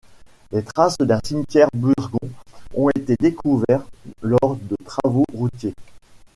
Les traces d'un cimetière burgond ont été découvertes lors de travaux routiers.